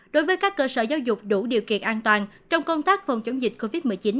đối với các cơ sở giáo dục đủ điều kiện an toàn trong công tác phòng chống dịch covid một mươi chín